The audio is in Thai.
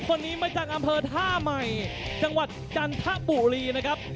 คนนี้มาจากอำเภอท่าใหม่จังหวัดจันทบุรีนะครับ